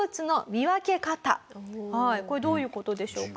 これどういう事でしょうか？